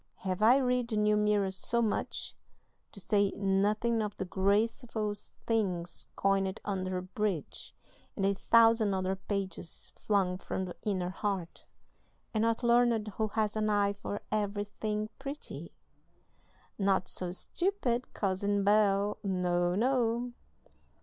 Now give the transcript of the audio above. Have I read the New Mirror so much (to say nothing of the graceful things coined under a bridge, and a thousand other pages flung from the inner heart) and not learned who has an eye for everything pretty? Not so stupid, Cousin Bel, no, no!...